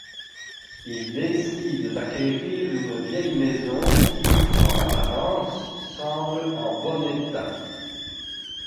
Ils décident d’acquérir une vieille maison qui, en apparence, semble en bon état.